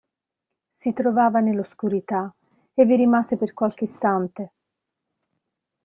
Si trovava nell'oscurità e vi rimase per qualche istante.